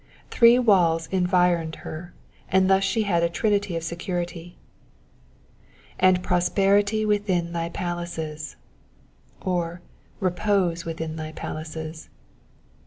Three walls environed her, and thus she had a trinity of security. ^''And prosperity within thy palaces,''^ or "Repose within thy palaces."